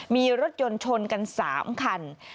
มีรถยนต์ชนกัน๓คัน